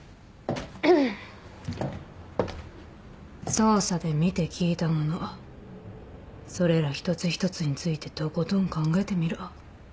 捜査で見て聞いたものそれら一つ一つについてとことん考えてみろ。